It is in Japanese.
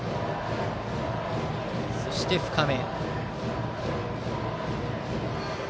そして、深め。